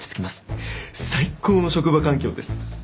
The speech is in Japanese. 最高の職場環境です。